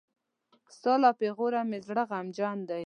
ستا له پېغوره مې زړه غمجن دی.